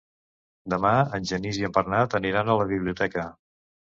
Demà en Genís i en Bernat aniran a la biblioteca.